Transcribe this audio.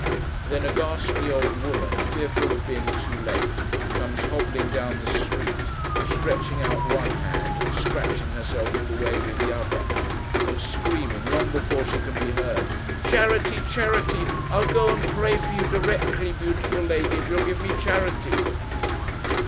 Then, a ghastly old woman, fearful of being too late, comes hobbling down the street, stretching out one hand, and scratching herself all the way with the other, and screaming, long before she can be heard, 'Charity, charity! I'll go and pray for you directly, beautiful lady, if you'll give me charity!